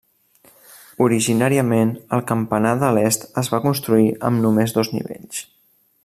Originàriament, el campanar de l'est es va construir amb només dos nivells.